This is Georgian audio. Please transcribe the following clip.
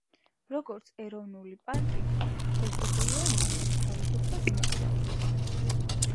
როგორც ეროვნული პარკი, შეზღუდულია მასზე თავისუფლად მოგზაურობა.